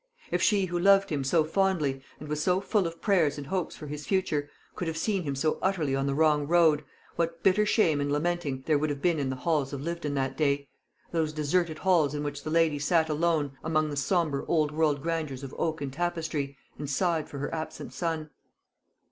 If she who loved him so fondly, and was so full of prayers and hopes for his future, could have seen him so utterly on the wrong road, what bitter shame and lamenting there would have been in the halls of Lyvedon that day those deserted halls in which the lady sat alone among the sombre old world grandeurs of oak and tapestry, and sighed for her absent son!